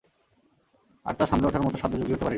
আর তা সামলে ওঠার মতো সাধ্য জুগিয়ে উঠতে পারিনি।